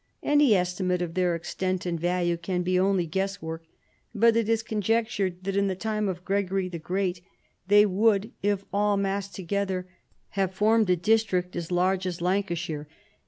Any estimate of their extent and value can be only guess work, but it is conjectured that in the time of Gregory the Great they would, if all massed to gether, have formed a district as large as Lanca 84 CHARLEMAGNE. •shire,* and